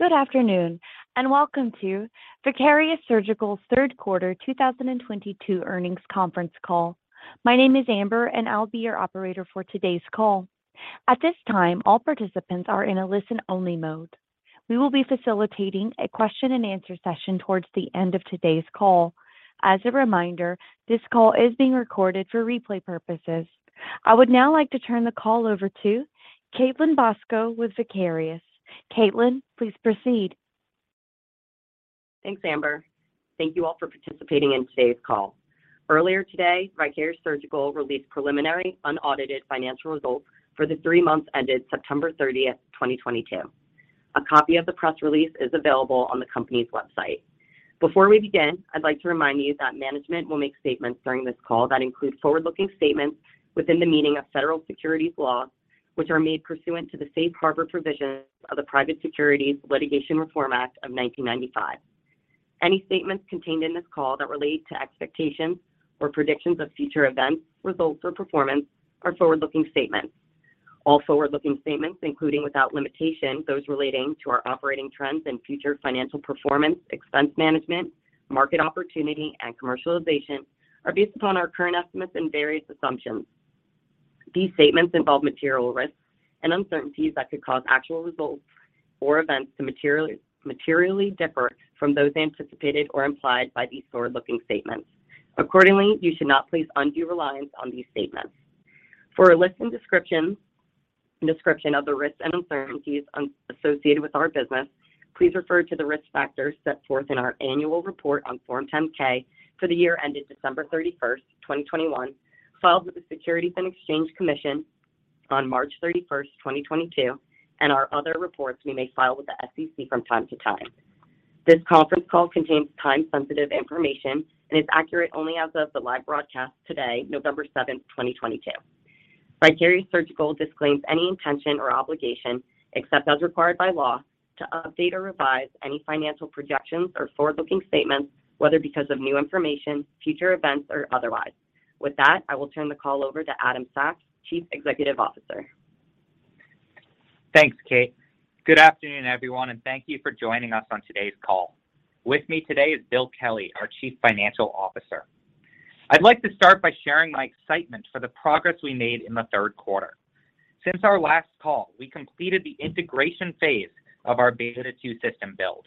Good afternoon, and welcome to Vicarious Surgical's Third Quarter 2022 Earnings Conference Call. My name is Amber, and I'll be your operator for today's call. At this time, all participants are in a listen-only mode. We will be facilitating a question and answer session towards the end of today's call. As a reminder, this call is being recorded for replay purposes. I would now like to turn the call over to Kaitlyn Brosco with Vicarious. Kaitlyn, please proceed. Thanks, Amber. Thank you all for participating in today's call. Earlier today, Vicarious Surgical released preliminary unaudited financial results for the three months ended September 30, 2022. A copy of the press release is available on the company's website. Before we begin, I'd like to remind you that management will make statements during this call that include forward-looking statements within the meaning of federal securities laws, which are made pursuant to the Safe Harbor provisions of the Private Securities Litigation Reform Act of 1995. Any statements contained in this call that relate to expectations or predictions of future events, results or performance are forward-looking statements. All forward-looking statements, including without limitation those relating to our operating trends and future financial performance, expense management, market opportunity, and commercialization, are based upon our current estimates and various assumptions. These statements involve material risks and uncertainties that could cause actual results or events to materially differ from those anticipated or implied by these forward-looking statements. Accordingly, you should not place undue reliance on these statements. For a list and description of the risks and uncertainties associated with our business, please refer to the risk factors set forth in our annual report on Form 10-K for the year ended December 31, 2021, filed with the Securities and Exchange Commission on March 31, 2022, and our other reports we may file with the SEC from time to time. This conference call contains time-sensitive information and is accurate only as of the live broadcast today, November 7, 2022. Vicarious Surgical disclaims any intention or obligation, except as required by law, to update or revise any financial projections or forward-looking statements, whether because of new information, future events or otherwise. With that, I will turn the call over to Adam Sachs, Chief Executive Officer. Thanks, Kate. Good afternoon, everyone, and thank you for joining us on today's call. With me today is Bill Kelly, our Chief Financial Officer. I'd like to start by sharing my excitement for the progress we made in the third quarter. Since our last call, we completed the integration phase of our Beta 2 system build.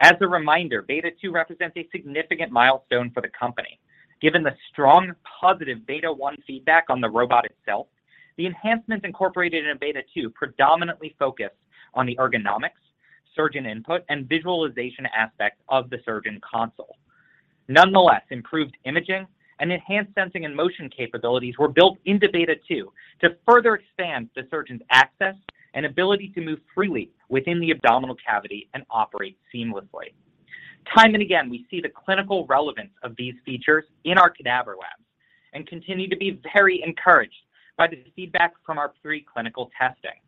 As a reminder, Beta 2 represents a significant milestone for the company. Given the strong positive Beta 1 feedback on the robot itself, the enhancements incorporated in Beta 2 predominantly focus on the ergonomics, surgeon input, and visualization aspect of the surgeon console. Nonetheless, improved imaging and enhanced sensing and motion capabilities were built into Beta 2 to further expand the surgeon's access and ability to move freely within the abdominal cavity and operate seamlessly. Time and again, we see the clinical relevance of these features in our cadaver labs and continue to be very encouraged by the feedback from our pre-clinical testing.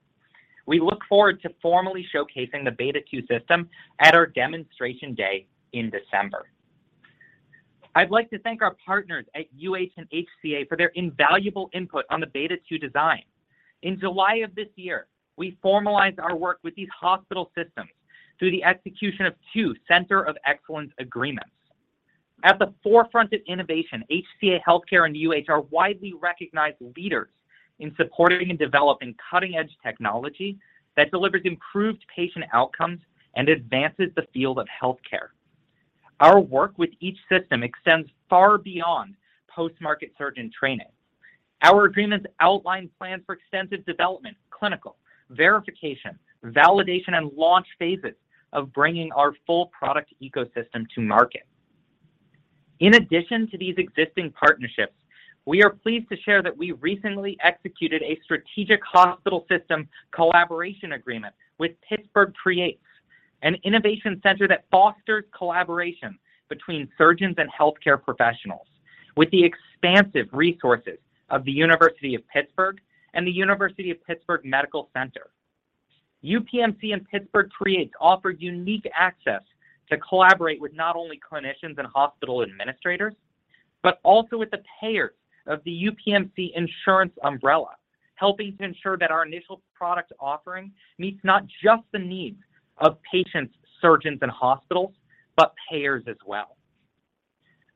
We look forward to formally showcasing the Beta 2 system at our demonstration day in December. I'd like to thank our partners at UH and HCA for their invaluable input on the Beta 2 design. In July of this year, we formalized our work with these hospital systems through the execution of two Center of Excellence agreements. At the forefront of innovation, HCA Healthcare and UH are widely recognized leaders in supporting and developing cutting-edge technology that delivers improved patient outcomes and advances the field of healthcare. Our work with each system extends far beyond post-market surgeon training. Our agreements outline plans for extensive development, clinical, verification, validation, and launch phases of bringing our full product ecosystem to market. In addition to these existing partnerships, we are pleased to share that we recently executed a strategic hospital system collaboration agreement with Pittsburgh CREATES, an innovation center that fosters collaboration between surgeons and healthcare professionals with the expansive resources of the University of Pittsburgh and the University of Pittsburgh Medical Center. UPMC and Pittsburgh CREATES offer unique access to collaborate with not only clinicians and hospital administrators, but also with the payers of the UPMC insurance umbrella, helping to ensure that our initial product offering meets not just the needs of patients, surgeons, and hospitals, but payers as well.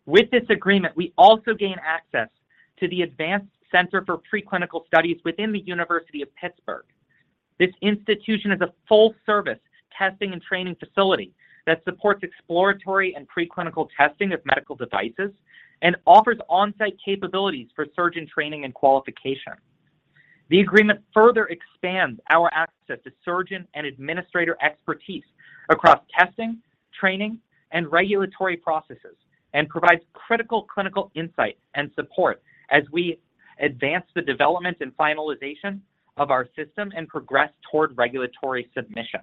With this agreement, we also gain access to the Advanced Center for Preclinical Studies within the University of Pittsburgh. This institution is a full-service testing and training facility that supports exploratory and preclinical testing of medical devices and offers on-site capabilities for surgeon training and qualification. The agreement further expands our access to surgeon and administrator expertise across testing, training, and regulatory processes and provides critical clinical insight and support as we advance the development and finalization of our system and progress toward regulatory submission.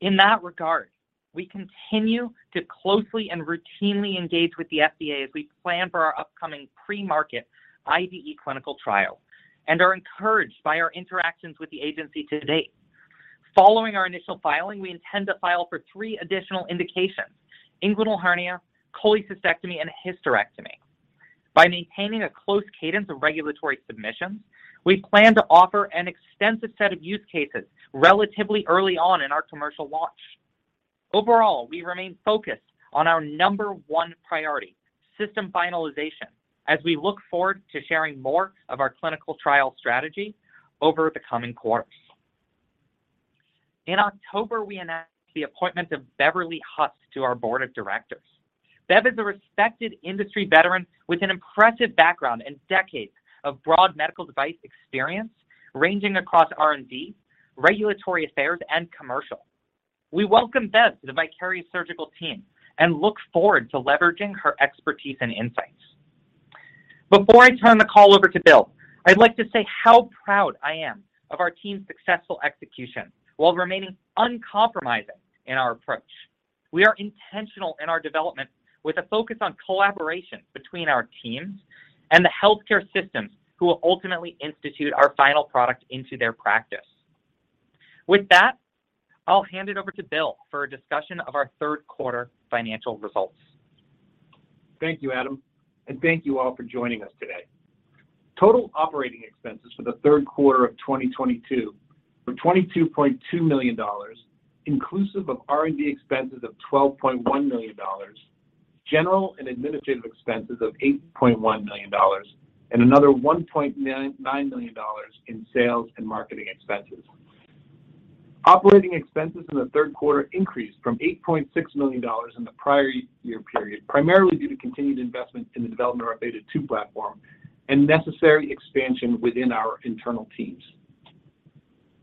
In that regard, we continue to closely and routinely engage with the FDA as we plan for our upcoming pre-market IDE clinical trial and are encouraged by our interactions with the agency to date. Following our initial filing, we intend to file for three additional indications, inguinal hernia, cholecystectomy, and hysterectomy. By maintaining a close cadence of regulatory submissions, we plan to offer an extensive set of use cases relatively early on in our commercial launch. Overall, we remain focused on our number one priority, system finalization, as we look forward to sharing more of our clinical trial strategy over the coming quarters. In October, we announced the appointment of Beverly Huss to our board of directors. Bev is a respected industry veteran with an impressive background and decades of broad medical device experience ranging across R&D, regulatory affairs, and commercial. We welcome Bev to the Vicarious Surgical team and look forward to leveraging her expertise and insights. Before I turn the call over to Bill, I'd like to say how proud I am of our team's successful execution while remaining uncompromising in our approach. We are intentional in our development with a focus on collaboration between our teams and the healthcare systems who will ultimately institute our final product into their practice. With that, I'll hand it over to Bill for a discussion of our third quarter financial results. Thank you, Adam, and thank you all for joining us today. Total operating expenses for the third quarter of 2022 were $22.2 million, inclusive of R&D expenses of $12.1 million, general and administrative expenses of $8.1 million, and another $1.99 million in sales and marketing expenses. Operating expenses in the third quarter increased from $8.6 million in the prior year period, primarily due to continued investment in the development of our Beta 2 platform and necessary expansion within our internal teams.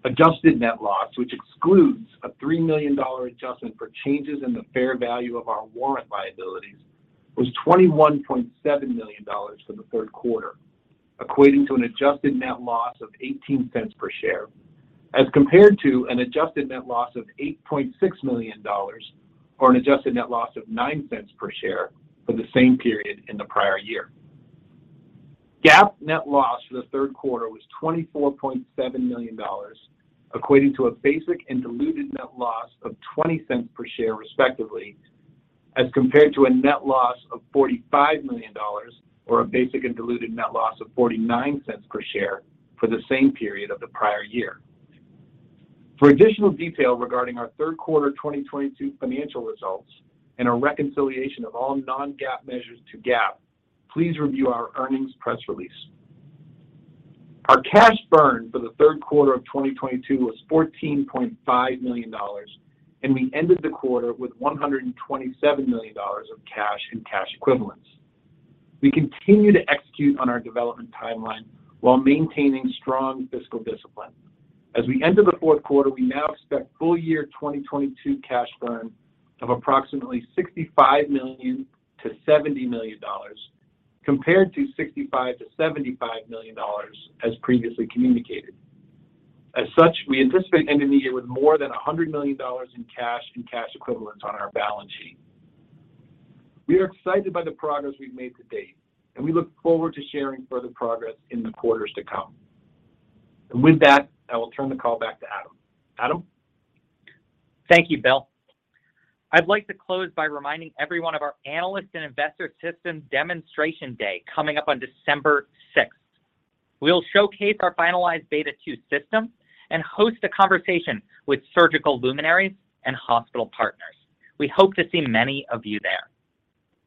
Adjusted net loss, which excludes a $3 million adjustment for changes in the fair value of our warrant liabilities, was $21.7 million for the third quarter, equating to an adjusted net loss of $0.18 per share, as compared to an adjusted net loss of $8.6 million or an adjusted net loss of $0.09 per share for the same period in the prior year. GAAP net loss for the third quarter was $24.7 million, equating to a basic and diluted net loss of $0.20 per share respectively, as compared to a net loss of $45 million or a basic and diluted net loss of $0.49 per share for the same period of the prior year. For additional detail regarding our third quarter 2022 financial results and a reconciliation of all non-GAAP measures to GAAP, please review our earnings press release. Our cash burn for the third quarter of 2022 was $14.5 million, and we ended the quarter with $127 million of cash and cash equivalents. We continue to execute on our development timeline while maintaining strong fiscal discipline. As we enter the fourth quarter, we now expect full year 2022 cash burn of approximately $65 million-$70 million, compared to $65 million-$75 million as previously communicated. As such, we anticipate ending the year with more than $100 million in cash and cash equivalents on our balance sheet. We are excited by the progress we've made to date, and we look forward to sharing further progress in the quarters to come. With that, I will turn the call back to Adam. Adam? Thank you, Bill. I'd like to close by reminding everyone of our Analyst and Investor System Demonstration day coming up on December 6th. We'll showcase our finalized Beta 2 system and host a conversation with surgical luminaries and hospital partners. We hope to see many of you there.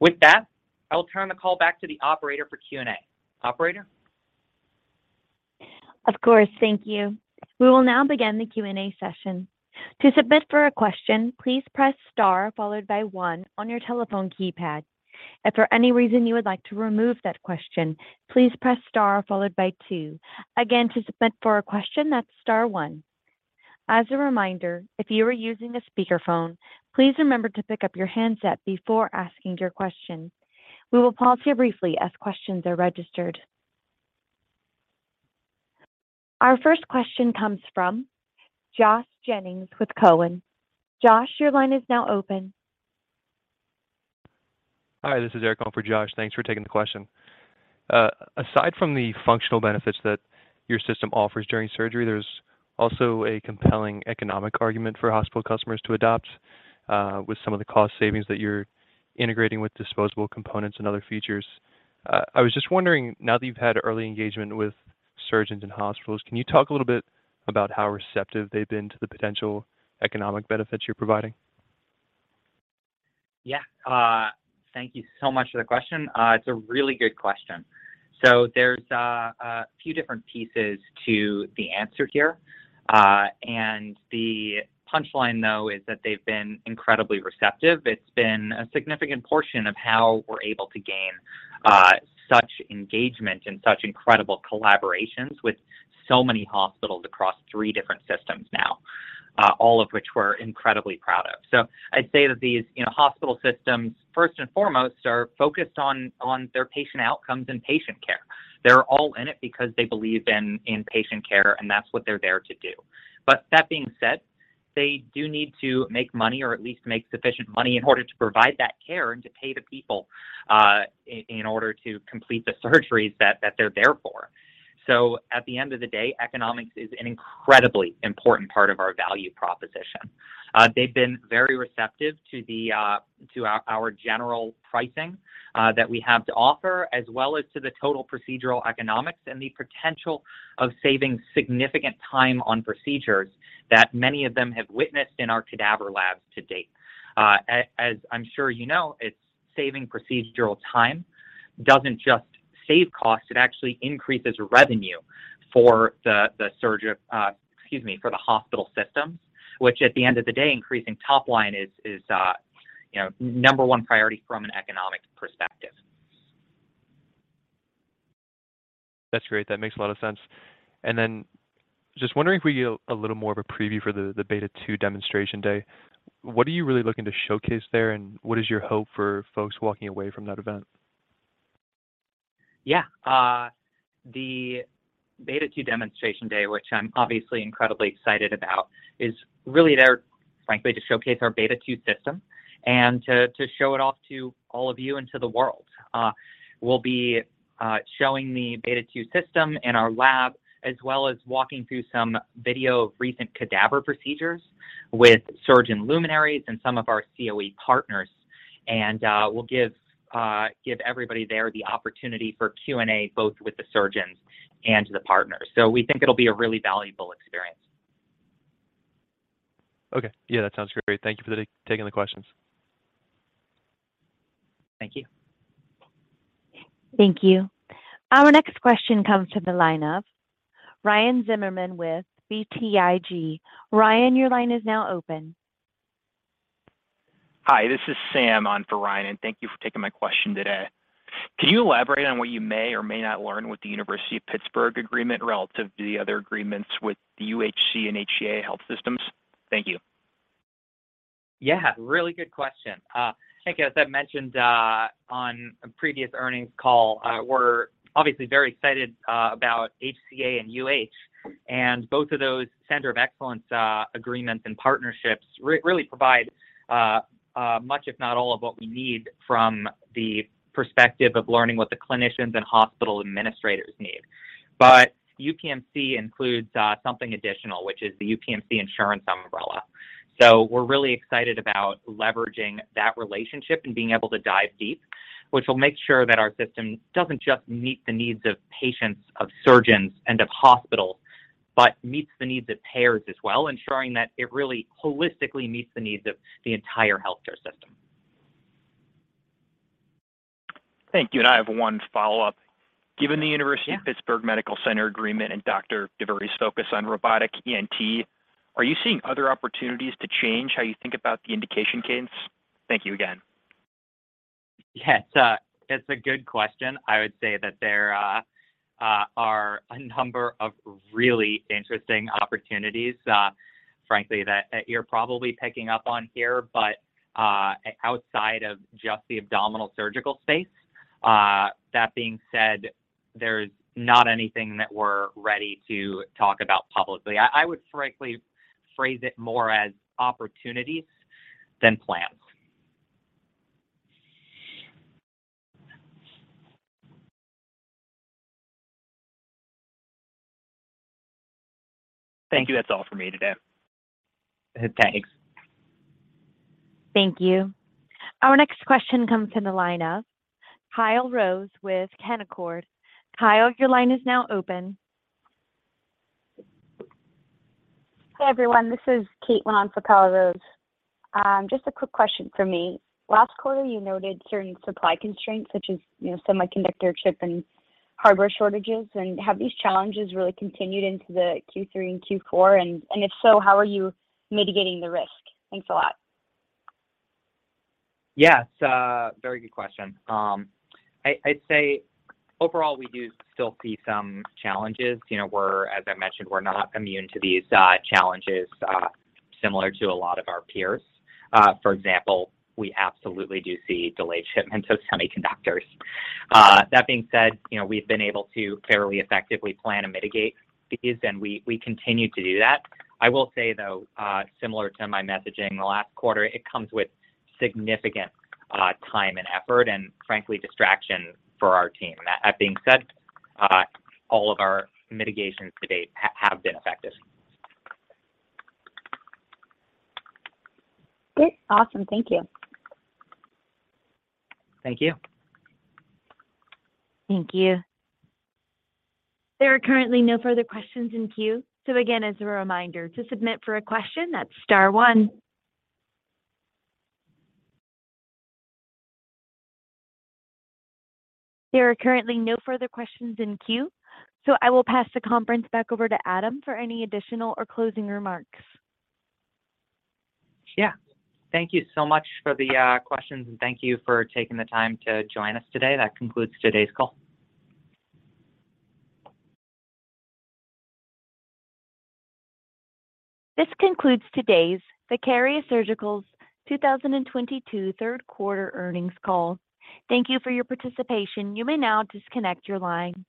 With that, I will turn the call back to the operator for Q&A. Operator? Of course. Thank you. We will now begin the Q&A session. To submit for a question, please press star followed by 1 on your telephone keypad. If for any reason you would like to remove that question, please press star followed by 2. Again, to submit for a question, that's star 1. As a reminder, if you are using a speakerphone, please remember to pick up your handset before asking your question. We will pause here briefly as questions are registered. Our first question comes from Josh Jennings with TD Cowen. Josh, your line is now open. Hi, this is Eric on for Josh. Thanks for taking the question. Aside from the functional benefits that your system offers during surgery, there's also a compelling economic argument for hospital customers to adopt, with some of the cost savings that you're integrating with disposable components and other features. I was just wondering, now that you've had early engagement with surgeons and hospitals, can you talk a little bit about how receptive they've been to the potential economic benefits you're providing? Yeah. Thank you so much for the question. It's a really good question. There's a few different pieces to the answer here. The punchline though is that they've been incredibly receptive. It's been a significant portion of how we're able to gain such engagement and such incredible collaborations with so many hospitals across three different systems now, all of which we're incredibly proud of. I'd say that these, you know, hospital systems, first and foremost, are focused on their patient outcomes and patient care. They're all in it because they believe in patient care, and that's what they're there to do. That being said, they do need to make money or at least make sufficient money in order to provide that care and to pay the people, in order to complete the surgeries that they're there for. At the end of the day, economics is an incredibly important part of our value proposition. They've been very receptive to the to our general pricing that we have to offer, as well as to the total procedural economics and the potential of saving significant time on procedures that many of them have witnessed in our cadaver labs to date. As I'm sure you know, it's saving procedural time doesn't just save costs, it actually increases revenue for the hospital systems, which at the end of the day, increasing top line is number one priority from an economic perspective. That's great. That makes a lot of sense. Then just wondering if we could get a little more of a preview for the Beta 2 Demonstration Day. What are you really looking to showcase there, and what is your hope for folks walking away from that event? Yeah. The Beta 2 Demonstration Day, which I'm obviously incredibly excited about, is really there, frankly, to showcase our Beta 2 system and to show it off to all of you and to the world. We'll be showing the Beta 2 system in our lab, as well as walking through some video of recent cadaver procedures with surgeon luminaries and some of our CoE partners. We'll give everybody there the opportunity for Q&A, both with the surgeons and the partners. We think it'll be a really valuable experience. Okay. Yeah, that sounds great. Thank you for taking the questions. Thank you. Thank you. Our next question comes to the line of Ryan Zimmerman with BTIG. Ryan, your line is now open. Hi, this is Sam on for Ryan, and thank you for taking my question today. Can you elaborate on what you may or may not learn with the University of Pittsburgh agreement relative to the other agreements with the UH and HCA Healthcare? Thank you. Yeah, really good question. I think as I mentioned on a previous earnings call, we're obviously very excited about HCA and UH. Both of those Center of Excellence agreements and partnerships really provide much, if not all of what we need from the perspective of learning what the clinicians and hospital administrators need. UPMC includes something additional, which is the UPMC insurance umbrella. We're really excited about leveraging that relationship and being able to dive deep, which will make sure that our system doesn't just meet the needs of patients, of surgeons, and of hospitals, but meets the needs of payers as well, ensuring that it really holistically meets the needs of the entire healthcare system. Thank you. I have one follow-up. Yeah. Given the University of Pittsburgh Medical Center agreement and [Uma Duvvuri's] focus on robotic ENT, are you seeing other opportunities to change how you think about the indication case? Thank you again. Yes. It's a good question. I would say that there are a number of really interesting opportunities, frankly, that you're probably picking up on here, but outside of just the abdominal surgical space. That being said, there's not anything that we're ready to talk about publicly. I would frankly phrase it more as opportunities than plans. Thank you. That's all for me today. Thanks. Thank you. Our next question comes from the line of Kyle Rose with Canaccord. Kyle, your line is now open. Hi, everyone. This is Caitlin on for Kyle Rose. Just a quick question for me. Last quarter, you noted certain supply constraints such as, you know, semiconductor chip and hardware shortages. Have these challenges really continued into the Q3 and Q4? If so, how are you mitigating the risk? Thanks a lot. Yes, very good question. I'd say overall, we do still see some challenges. You know, we're, as I mentioned, not immune to these challenges, similar to a lot of our peers. For example, we absolutely do see delayed shipments of semiconductors. That being said, you know, we've been able to fairly effectively plan and mitigate these, and we continue to do that. I will say, though, similar to my messaging the last quarter, it comes with significant time and effort, and frankly, distraction for our team. That being said, all of our mitigations to date have been effective. Great. Awesome. Thank you. Thank you. Thank you. There are currently no further questions in queue. Again, as a reminder, to submit for a question, that's star 1. There are currently no further questions in queue, so I will pass the conference back over to Adam for any additional or closing remarks. Yeah. Thank you so much for the questions, and thank you for taking the time to join us today. That concludes today's call. This concludes today's Vicarious Surgical's 2022 Third Quarter Earnings Call. Thank you for your participation. You may now disconnect your line.